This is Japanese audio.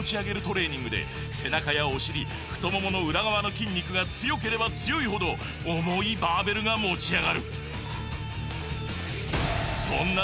デッドリフト２８０はもう背中やお尻太ももの裏側の筋肉が強ければ強いほど重いバーベルが持ち上がるそんな